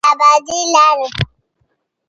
چې د ابادۍ لاره ده.